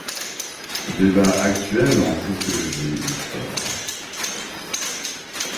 Débats actuels en sociologie du sport.